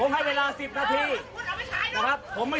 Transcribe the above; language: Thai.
ผมให้เวลา๑๐นาทีผมไม่สนใจพวกคุณหรอก